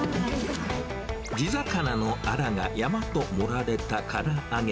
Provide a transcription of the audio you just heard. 地魚のアラが山と盛られたから揚げ。